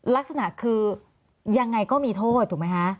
ลักษณะคือยังไงก็มีโทษถูกไหมคะ